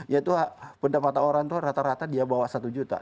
yaitu pendapatan orang tua rata rata dia bawa satu juta